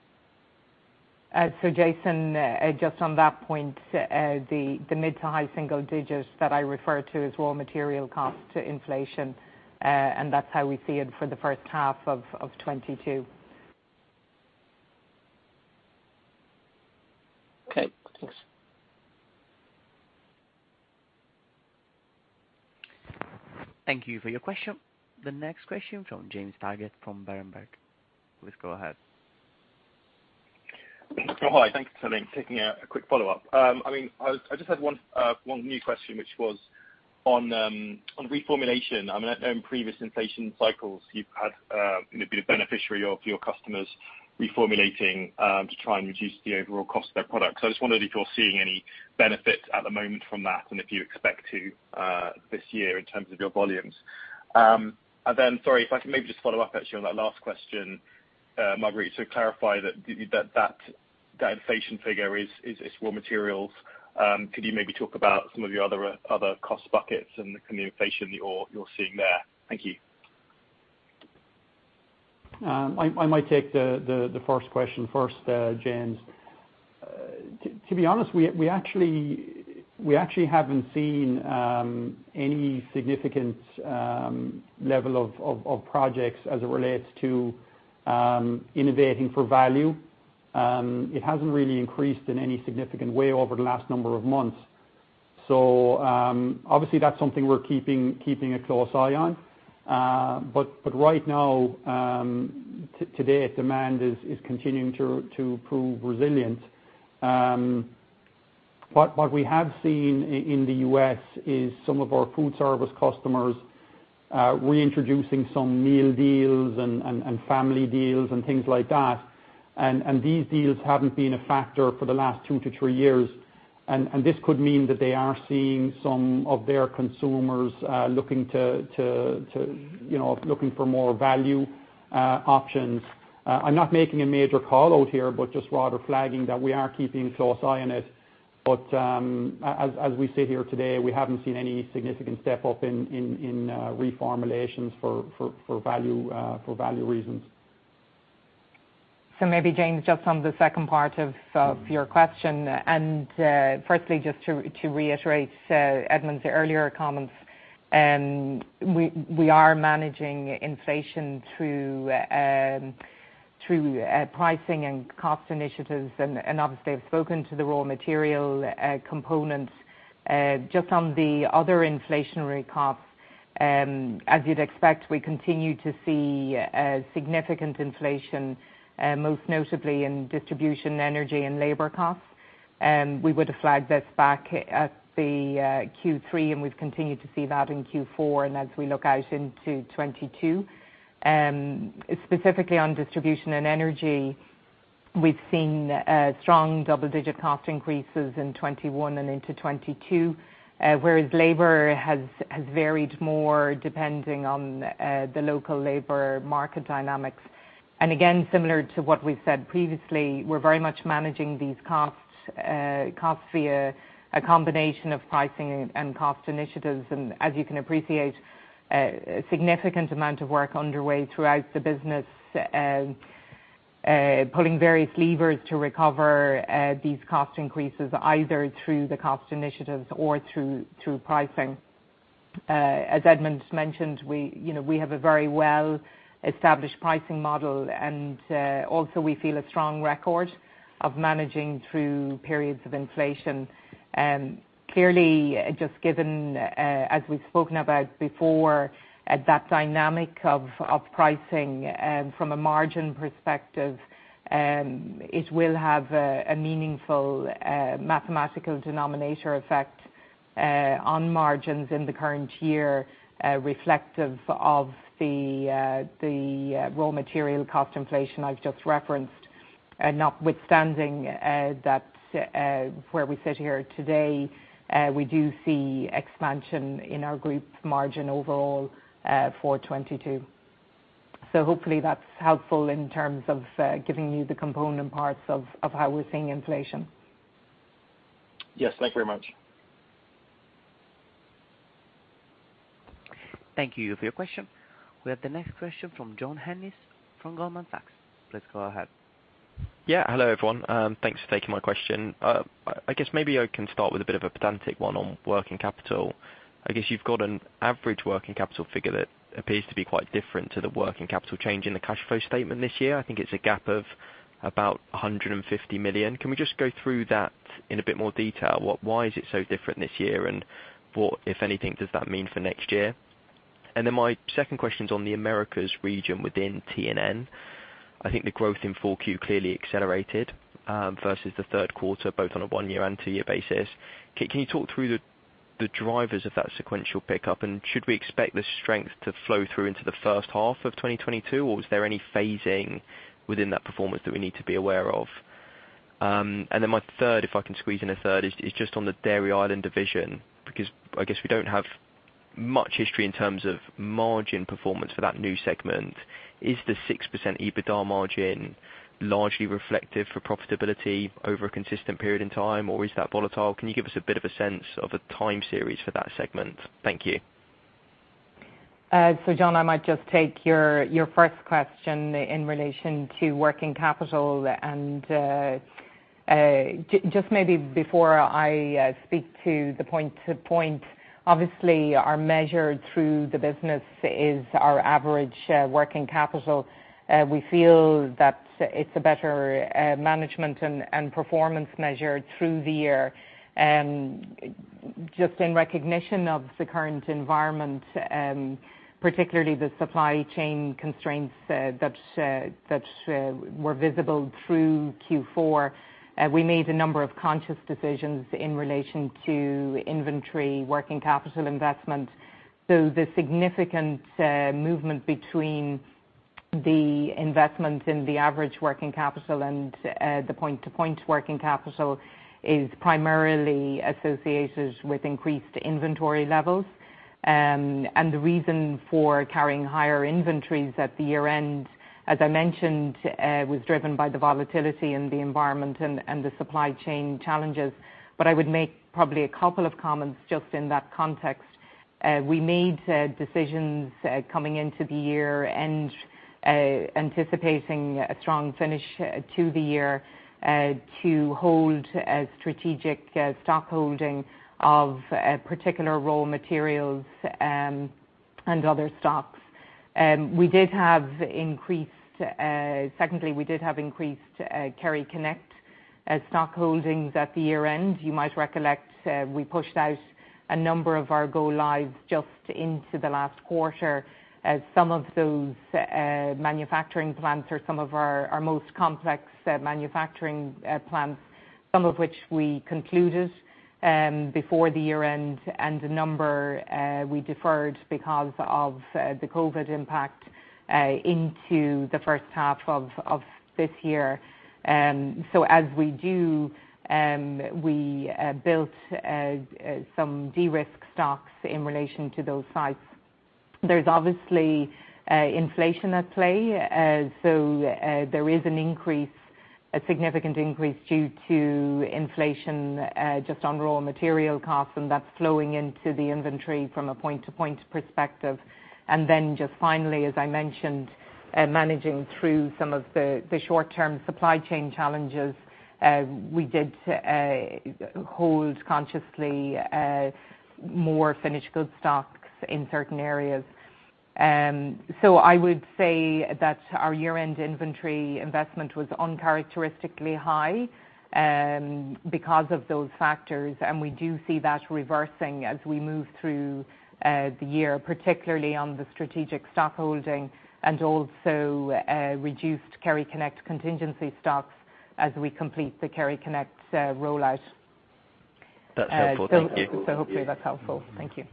Jason, just on that point, the mid- to high-single-digits that I refer to is raw material cost inflation. That's how we see it for the H1 of 2022. Okay, thanks. Thank you for your question. The next question from James Targett from Berenberg. Please go ahead. Oh, hi. Thanks for taking it. A quick follow-up. I mean, I just had one new question which was on reformulation. I mean, I know in previous inflation cycles you've had, you know, been a beneficiary of your customers reformulating to try and reduce the overall cost of their products. So I just wondered if you're seeing any benefit at the moment from that and if you expect to this year in terms of your volumes. And then, sorry if I can maybe just follow up actually on that last question, Marguerite, to clarify that inflation figure is raw materials. Could you maybe talk about some of your other cost buckets and the kind of inflation you're seeing there? Thank you. I might take the first question first, James. To be honest, we actually haven't seen any significant level of projects as it relates to innovating for value. It hasn't really increased in any significant way over the last number of months. Obviously that's something we're keeping a close eye on. Right now, today demand is continuing to prove resilient. What we have seen in the U.S. is some of our food service customers reintroducing some meal deals and family deals and things like that. These deals haven't been a factor for the last two-three years. This could mean that they are seeing some of their consumers looking to you know looking for more value options. I'm not making a major call out here, but just rather flagging that we are keeping a close eye on it. As we sit here today, we haven't seen any significant step up in reformulations for value reasons. Maybe James, just on the second part of your question, firstly just to reiterate Edmund's earlier comments, we are managing inflation through pricing and cost initiatives. And obviously I've spoken to the raw material components. Just on the other inflationary costs, as you'd expect, we continue to see significant inflation most notably in distribution, energy and labor costs. We would've flagged this back at the Q3 and we've continued to see that in Q4 and as we look out into 2022. Specifically on distribution and energy, we've seen strong double-digit cost increases in 2021 and into 2022, whereas labor has varied more depending on the local labor market dynamics. Again, similar to what we've said previously, we're very much managing these costs via a combination of pricing and cost initiatives. As you can appreciate, a significant amount of work underway throughout the business, pulling various levers to recover these cost increases either through the cost initiatives or through pricing. As Edmond mentioned, you know, we have a very well-established pricing model and also we feel a strong record of managing through periods of inflation. Clearly just given, as we've spoken about before, at that dynamic of pricing, from a margin perspective, it will have a meaningful mathematical denominator effect on margins in the current year, reflective of the raw material cost inflation I've just referenced, notwithstanding that where we sit here today, we do see expansion in our group margin overall for 2022. Hopefully that's helpful in terms of giving you the component parts of how we're seeing inflation. Yes, thank you very much. Thank you for your question. We have the next question from John Ennis from Goldman Sachs. Please go ahead. Hello, everyone. Thanks for taking my question. I guess maybe I can start with a bit of a pedantic one on working capital. I guess you've got an average working capital figure that appears to be quite different to the working capital change in the cash flow statement this year. I think it's a gap of about 150 million. Can we just go through that in a bit more detail? Why is it so different this year? What, if anything, does that mean for next year? My second question's on the Americas region within T&N. I think the growth in Q4 clearly accelerated versus the Q3, both on a one-year and two-year basis. Can you talk through the drivers of that sequential pickup? Should we expect the strength to flow through into the H1 of 2022? Or was there any phasing within that performance that we need to be aware of? My third, if I can squeeze in a third, is just on the Dairy Ireland division, because I guess we don't have much history in terms of margin performance for that new segment. Is the 6% EBITDA margin largely reflective for profitability over a consistent period in time, or is that volatile? Can you give us a bit of a sense of a time series for that segment? Thank you. John, I might just take your first question in relation to working capital. Just maybe before I speak to the point to point, obviously our measure through the business is our average working capital. We feel that it's a better management and performance measure through the year. Just in recognition of the current environment, particularly the supply chain constraints that were visible through Q4, we made a number of conscious decisions in relation to inventory working capital investment. The significant movement between the investment in the average working capital and the point to point working capital is primarily associated with increased inventory levels. The reason for carrying higher inventories at the year end, as I mentioned, was driven by the volatility in the environment and the supply chain challenges. I would make probably a couple of comments just in that context. We made decisions coming into the year and anticipating a strong finish to the year to hold a strategic stock holding of particular raw materials and other stocks. Secondly, we did have increased Kerryconnect stock holdings at the year end. You might recollect we pushed out a number of our go lives just into the last quarter. Some of those manufacturing plants are some of our most complex manufacturing plants, some of which we concluded before the year end. A number we deferred because of the COVID impact into the H1 of this year. As we do, we built some de-risk stocks in relation to those sites. There's obviously inflation at play, so there is an increase, a significant increase due to inflation just on raw material costs, and that's flowing into the inventory from a point to point perspective. Then just finally, as I mentioned, managing through some of the short term supply chain challenges, we did hold consciously more finished good stocks in certain areas. I would say that our year end inventory investment was uncharacteristically high because of those factors. We do see that reversing as we move through the year, particularly on the strategic stock holding and also reduced Kerryconnect contingency stocks as we complete the Kerryconnect rollout. That's helpful. Thank you. Hopefully that's helpful. Thank you.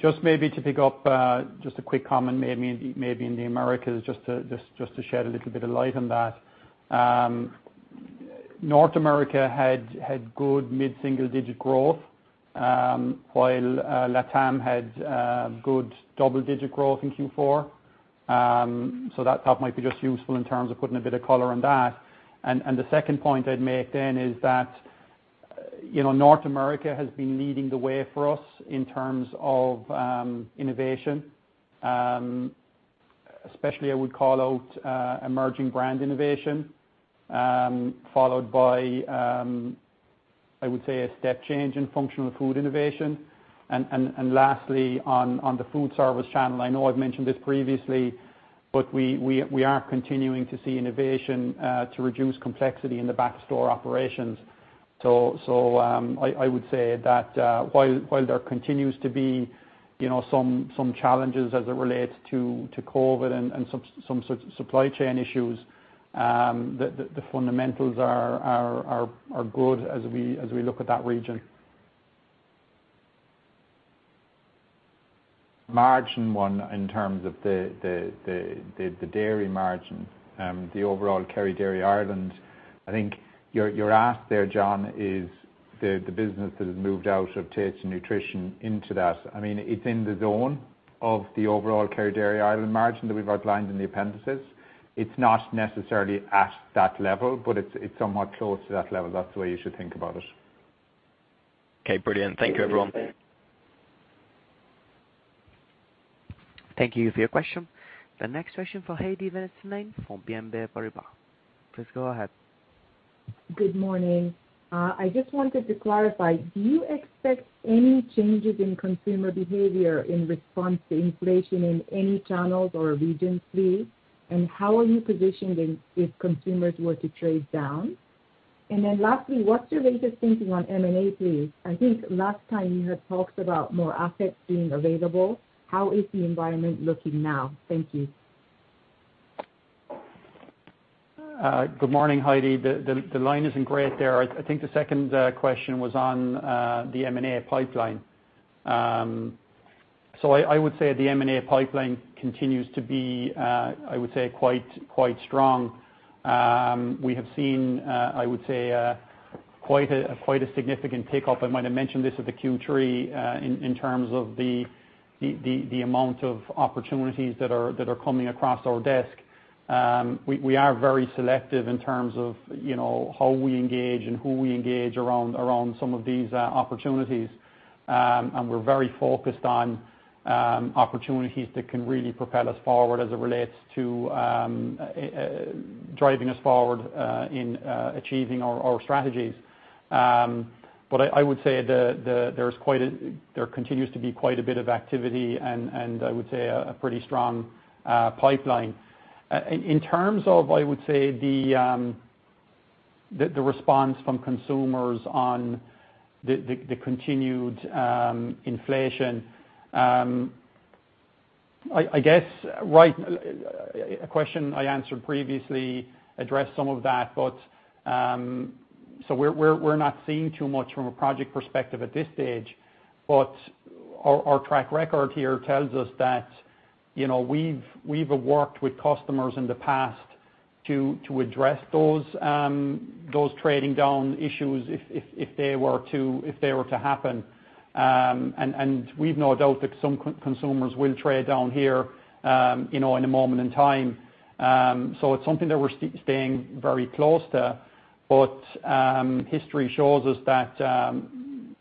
Just maybe to pick up a quick comment in the Americas to shed a little bit of light on that. North America had good mid-single-digit growth, while LETAM had good double-digit growth in Q4. That might be just useful in terms of putting a bit of color on that. The second point I'd make then is that, you know, North America has been leading the way for us in terms of innovation, especially I would call out emerging brand innovation, followed by I would say a step change in functional food innovation. Lastly, on the food service channel, I know I've mentioned this previously, but we are continuing to see innovation to reduce complexity in the back store operations. I would say that while there continues to be, you know, some challenges as it relates to COVID and some supply chain issues, the fundamentals are good as we look at that region. Margin one in terms of the dairy margin, the overall Kerry Dairy Ireland, I think your ask there, John, is the business that has moved out of Taste & Nutrition into that. I mean, it's in the zone of the overall Kerry Dairy Ireland margin that we've outlined in the appendices. It's not necessarily at that level, but it's somewhat close to that level. That's the way you should think about it. Okay, brilliant. Thank you, everyone. Thank you for your question. The next question for Heidi from BNP Paribas. Please go ahead. Good morning. I just wanted to clarify, do you expect any changes in consumer behavior in response to inflation in any channels or regions, please? How are you positioned if consumers were to trade down? Lastly, what's your latest thinking on M&A, please? I think last time you had talked about more assets being available. How is the environment looking now? Thank you. Good morning, Heidi. The line isn't great there. I think the second question was on the M&A pipeline. I would say the M&A pipeline continues to be quite strong. We have seen quite a significant pickup. I might have mentioned this at the Q3 in terms of the amount of opportunities that are coming across our desk. We are very selective in terms of, you know, how we engage and who we engage around some of these opportunities. We're very focused on opportunities that can really propel us forward as it relates to driving us forward in achieving our strategies. I would say there's quite a bit of activity and I would say a pretty strong pipeline. In terms of, I would say, the response from consumers on the continued inflation, I guess right, a question I answered previously addressed some of that, but so we're not seeing too much from a project perspective at this stage. Our track record here tells us that, you know, we've worked with customers in the past to address those trading down issues if they were to happen. We've no doubt that some consumers will trade down here, you know, in a moment in time. It's something that we're staying very close to. History shows us that,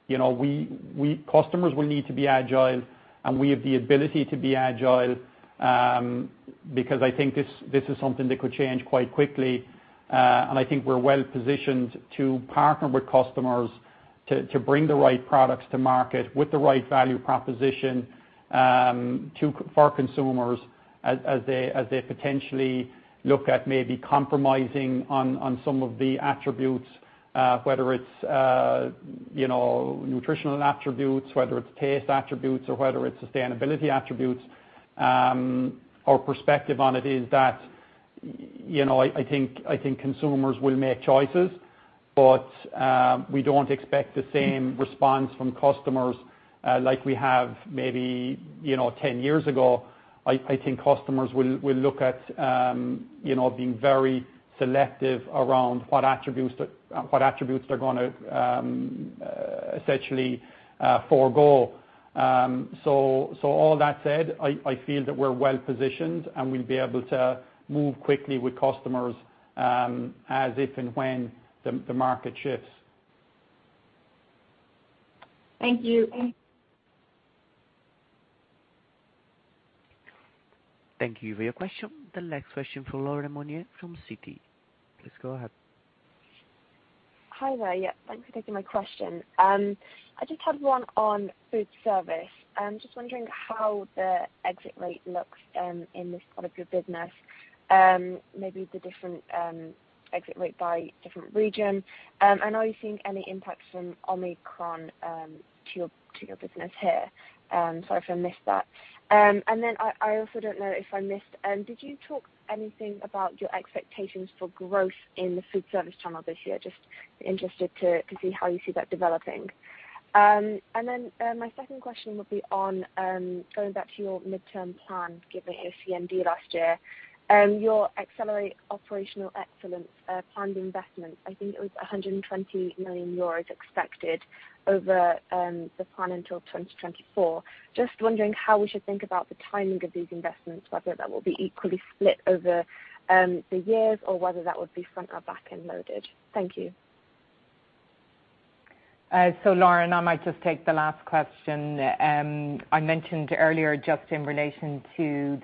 you know, customers will need to be agile, and we have the ability to be agile, because I think this is something that could change quite quickly. I think we're well positioned to partner with customers to bring the right products to market with the right value proposition to for consumers as they potentially look at maybe compromising on some of the attributes, whether it's, you know, nutritional attributes, whether it's taste attributes, or whether it's sustainability attributes. Our perspective on it is that, you know, I think consumers will make choices, but we don't expect the same response from customers like we have maybe, you know, 10 years ago. I think customers will look at, you know, being very selective around what attributes they're gonna essentially forego. All that said, I feel that we're well positioned, and we'll be able to move quickly with customers, as if and when the market shifts. Thank you. Thank you for your question. The next question from Laurent Monnier from Citi. Please go ahead. Hi there. Yeah, thanks for taking my question. I just had one on food service. Just wondering how the exit rate looks in this part of your business, maybe the different exit rate by different region. Are you seeing any impacts from Omicron to your business here? Sorry if I missed that. I also don't know if I missed. Did you talk anything about your expectations for growth in the food service channel this year? Just interested to see how you see that developing. My second question would be on going back to your midterm plan, given your CMD last year. Your Accelerate Operational Excellence planned investment, I think it was 120 million euros expected over the plan until 2024. Just wondering how we should think about the timing of these investments, whether that will be equally split over the years or whether that would be front or back-end loaded? Thank you. Laurent, I might just take the last question. I mentioned earlier just in relation to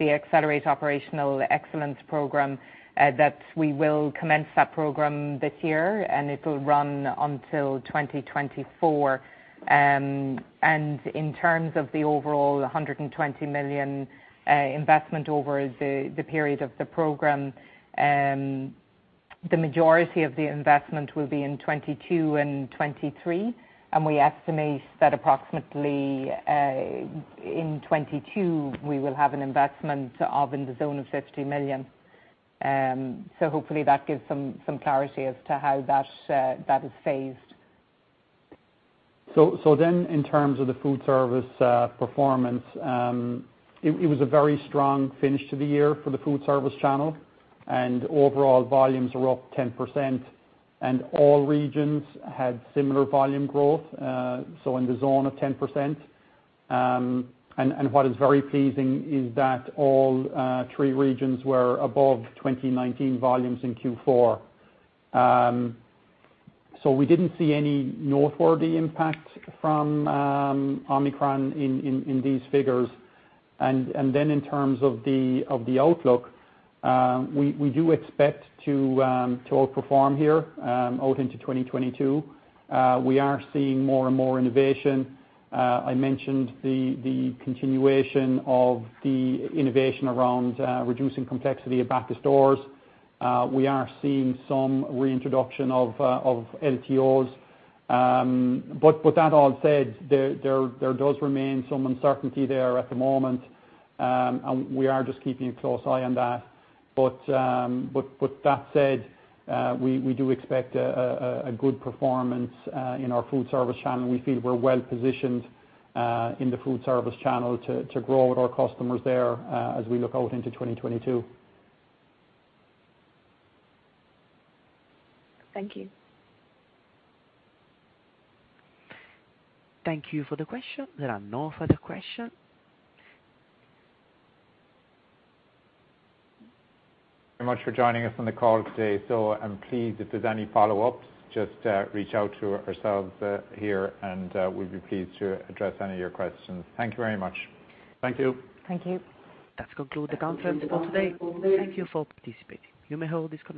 the Accelerate Operational Excellence program that we will commence that program this year and it will run until 2024. In terms of the overall 120 million investment over the period of the program, the majority of the investment will be in 2022 and 2023, and we estimate that approximately in 2022 we will have an investment of in the zone of 50 million. Hopefully that gives some clarity as to how that is phased. In terms of the food service performance, it was a very strong finish to the year for the food service channel, and overall volumes were up 10%, and all regions had similar volume growth in the zone of 10%. What is very pleasing is that all three regions were above 2019 volumes in Q4. We didn't see any noteworthy impact from Omicron in these figures. In terms of the outlook, we do expect to outperform here out into 2022. We are seeing more and more innovation. I mentioned the continuation of the innovation around reducing complexity at back of stores. We are seeing some reintroduction of LTOs. With that all said, there does remain some uncertainty there at the moment, and we are just keeping a close eye on that. With that said, we do expect a good performance in our food service channel. We feel we're well positioned in the food service channel to grow with our customers there, as we look out into 2022. Thank you. Thank you for the question. There are no further questions. very much for joining us on the call today. Please, if there's any follow-ups, just reach out to us here, and we'll be pleased to address any of your questions. Thank you very much. Thank you. Thank you. That concludes the conference for today. Thank you for participating. You may hang up this connection.